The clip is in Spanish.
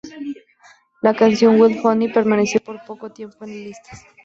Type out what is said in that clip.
La canción "Wild Honey" permaneció por poco tiempo en listas.